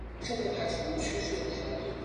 拉尼利。